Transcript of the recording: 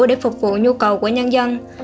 để phục vụ nhu cầu của nhân dân